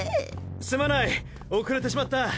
すまない遅れてしまった。